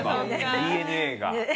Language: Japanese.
ＤＮＡが。